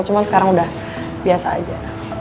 cuma sekarang udah biasa aja